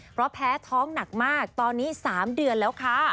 เพราะแพ้ท้องหนักมากตอนนี้๓เดือนแล้วค่ะ